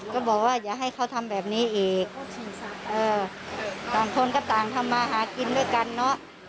ก็บอกว่าอย่าให้เขาทำแบบนี้อีกต่างคนก็ต่างทำมาหากินด้วยกันเนอะ